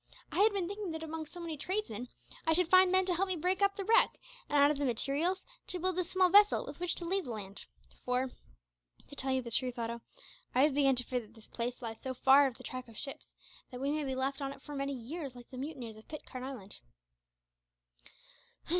I had been thinking that among so many tradesmen I should find men to help me to break up the wreck, and, out of the materials, to build a small vessel, with which to leave the island for, to tell you the truth, Otto, I have begun to fear that this place lies so far out of the track of ships that we may be left on it for many years like the mutineers of Pitcairn Island."